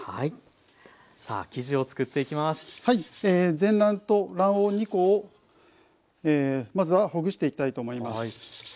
全卵と卵黄２コをまずはほぐしていきたいと思います。